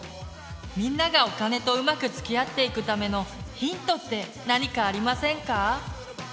みんながお金とうまくつきあっていくためのヒントって何かありませんか？